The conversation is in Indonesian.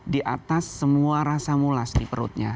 di atas semua rasa mulas di perutnya